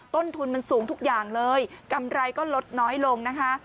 ต้นทุนมันสูงทุกอย่างเลยกำไรก็ลดน้อยลงนะคะ